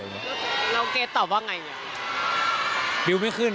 แม่ค่ะแม่ค่ะ